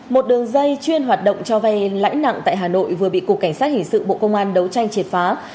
một đường dây chuyên hoạt động cho vay lãi nặng tại hà nội vừa bị cục cảnh sát hình sự bộ công an đấu tranh triệt phá